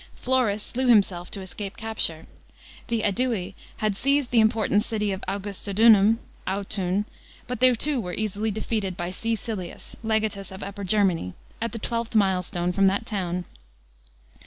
Florus slew himself to escape capture. The JSdui had seized the important city of Augustodunum (Autun), but they too were easily defeated by C. Silius, legatus of Upper Germany, at the twelfth milestone from that town.